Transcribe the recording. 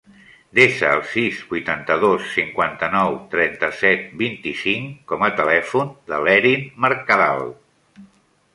Desa el sis, vuitanta-dos, cinquanta-nou, trenta-set, vint-i-cinc com a telèfon de l'Erin Mercadal.